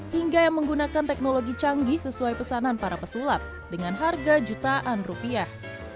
hingga yang menggunakan teknologi canggih sesuai pesanan para pesulap dengan harga jutaan rupiah